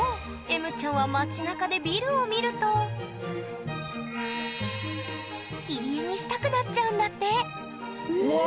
えむちゃんは街なかでビルを見ると切り絵にしたくなっちゃうんだってえ！